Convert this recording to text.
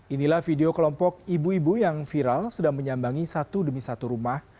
inilah video kelompok ibu ibu yang viral sedang menyambangi satu demi satu rumah